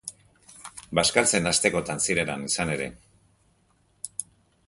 Bazkaltzen hastekotan ziren han, izan ere.